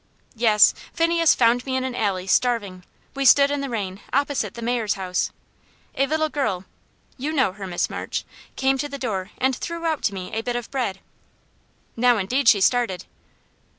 "Yes, Phineas found me in an alley starving. We stood in the rain, opposite the mayor's house. A little girl you know her, Miss March came to the door, and threw out to me a bit of bread." Now indeed she started.